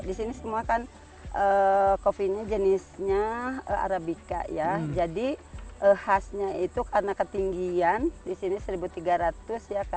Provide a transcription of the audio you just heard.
di sini semua kan kopinya jenisnya arabica ya jadi khasnya itu karena ketinggian di sini rp satu tiga ratus ya